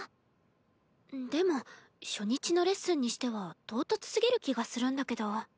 でも初日のレッスンにしては唐突すぎる気がするんだけど。